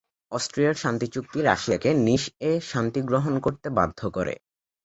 অস্ট্রিয়ার শান্তি চুক্তি রাশিয়াকে নিস-এ শান্তি গ্রহণ করতে বাধ্য করে।